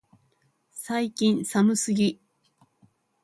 最近寒すぎ、